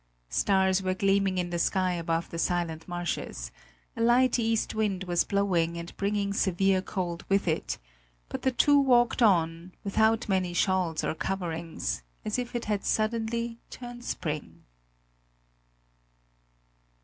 Stars were gleaming in the sky above the silent marshes; a light east wind was blowing and bringing severe cold with it; but the two walked on, without many shawls or coverings, as if it had suddenly turned spring.